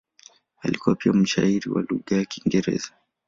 Alikuwa pia mshairi wa lugha ya Kiingereza.